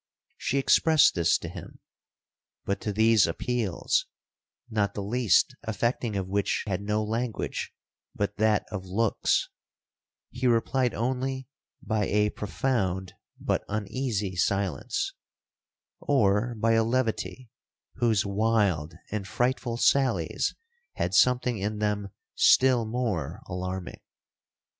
She expressed this to him; but to these appeals, (not the least affecting of which had no language but that of looks), he replied only by a profound but uneasy silence, or by a levity whose wild and frightful sallies had something in them still more alarming.